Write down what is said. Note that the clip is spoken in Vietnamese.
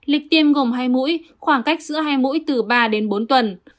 lịch tiêm gồm hai mũi khoảng cách giữa hai mũi từ ba đến bốn tuần